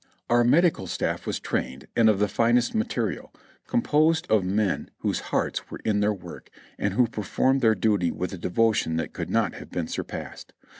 Our medical stafif was trained and of the finest material, com posed of men whose hearts were in their work, and who per formed their duty with a devotion that could not have been sur passed.